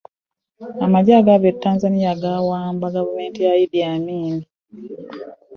Amagye agaava e Tanzaniya gaawamba Gavumenti ya Idi Amin.